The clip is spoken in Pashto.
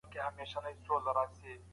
په ورځ کې د چای اندازه توپیر لري.